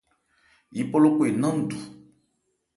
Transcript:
Yípɔ lókɔn e nán ndu.